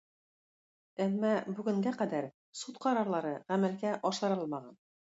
Әмма бүгенгә кадәр суд карарлары гамәлгә ашырылмаган.